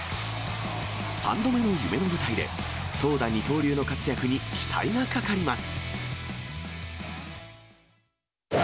３度目の夢の舞台で、投打二刀流の活躍に期待がかかります。